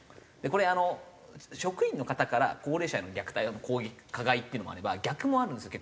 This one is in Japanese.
これ職員の方から高齢者への虐待加害っていうのもあれば逆もあるんですよ